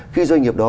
khi doanh nghiệp đó